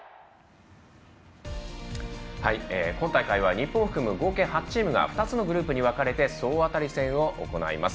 日本を含む合計８チームが２つのグループに分かれて総当たり戦を行います。